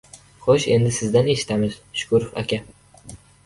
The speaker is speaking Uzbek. — Xo‘sh, endi sizdan eshitamiz, Shukurov aka?